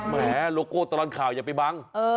แหมโลโก้ตลอดข่าวอย่าไปบัง